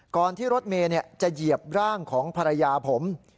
ก่อนที่รถเมย์จะเหยียบร่างของภรรยาผม